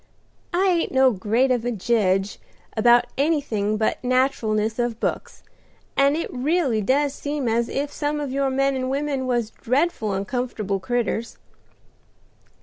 "I ain't no great of a jedge about anything but nat'ralness of books, and it really does seem as if some of your men and women was dreadful uncomfortable creaters.